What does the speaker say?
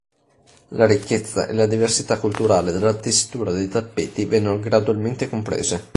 La ricchezza e la diversità culturale della tessitura dei tappeti vennero gradualmente comprese.